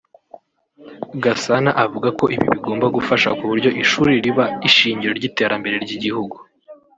Gasana avuga ko ibi bigomba gufasha ku buryo ishuri riba ishingiro ry’iterambere ry’igihugu